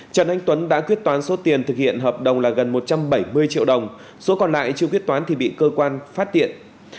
trần anh tuấn đã quyết toán số tiền thực hiện hợp đồng là gần một trăm bảy mươi triệu đồng số còn lại chưa quyết toán thì bị cơ quan phát tiện